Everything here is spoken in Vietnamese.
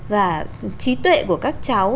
và trí tuệ của các cháu